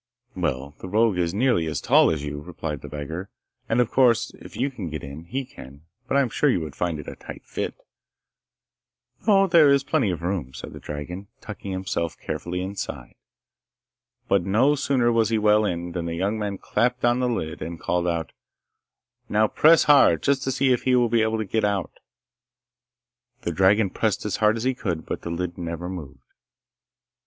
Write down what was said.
'Well, the rogue is nearly as tall as you,' replied the beggar, 'and, of course, if you can get in, he can. But I am sure you would find it a tight fit.' 'No, there is plenty of room,' said the dragon, tucking himself carefully inside. But no sooner was he well in, than the young man clapped on the lid and called out, 'Now press hard, just to see if he will be able to get out.' The dragon pressed as hard as he could, but the lid never moved.